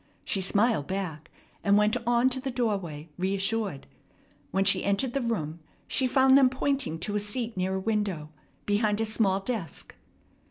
She smiled back, and went on to the doorway reassured. When she entered the room, she found them pointing to a seat near a window, behind a small desk.